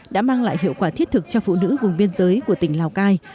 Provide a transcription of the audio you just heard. đã mang lại hiệu quả thiết thực cho phụ nữ vùng biên giới của tỉnh lào cai